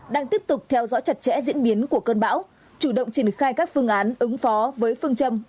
đang tiếp tục theo dõi chặt chẽ diễn biến của cơn bão chủ động triển khai các phương án ứng phó với phương châm